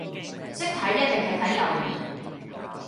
識睇一定係睇留言